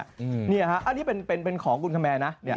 อันนี้เป็นของคุณคแมร์นะ